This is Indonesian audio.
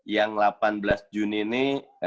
yang delapan belas juni ini